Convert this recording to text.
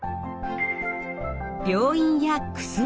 病院や薬